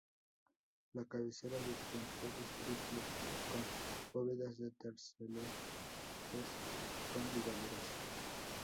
La cabecera del templo es triple, con bóvedas de terceletes con ligaduras.